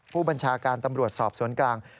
ผู้บัญชาการตำรวจสอบสวนกลาง